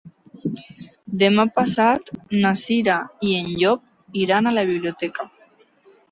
Demà passat na Cira i en Llop iran a la biblioteca.